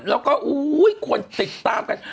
แล้วก็คนติดตามกัน